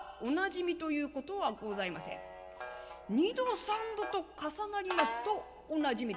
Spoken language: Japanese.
二度三度と重なりますとおなじみで」。